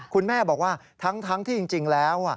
คุณแม่บอกว่าทั้งที่จริงแล้ว